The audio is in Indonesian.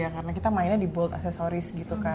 karena kita mainnya di bold accessories